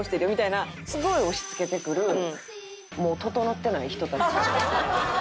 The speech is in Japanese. すごい押しつけてくるもうととのってない人たち。